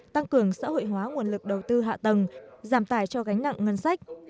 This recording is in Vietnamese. tăng cường xã hội hóa nguồn lực đầu tư hạ tầng giảm tài cho gánh nặng ngân sách